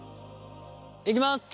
いきます。